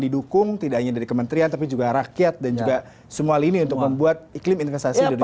didukung tidaknya dari kementerian tapi juga rakyat dan juga semua lini untuk membuat iklim investasi